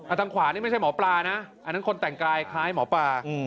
ทางขวานี่ไม่ใช่หมอปลานะอันนั้นคนแต่งกายคล้ายหมอปลา